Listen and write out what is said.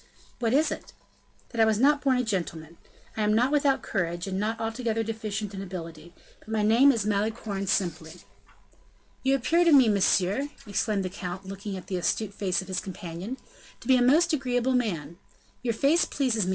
"What is it?" "That I was not born a gentleman. I am not without courage, and not altogether deficient in ability; but my name is Malicorne simply." "You appear to me, monsieur!" exclaimed the count, looking at the astute face of his companion, "to be a most agreeable man. Your face pleases me, M.